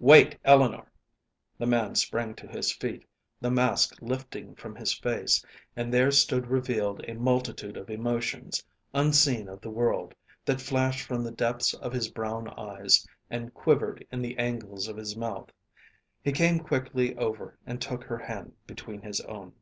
"Wait, Eleanor!" The man sprang to his feet, the mask lifting from his face, and there stood revealed a multitude of emotions, unseen of the world, that flashed from the depths of his brown eyes and quivered in the angles of his mouth. He came quickly over and took her hand between his own.